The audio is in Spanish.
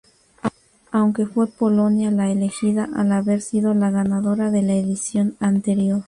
Aunque fue Polonia la elegida al haber sido la ganadora de la edición anterior.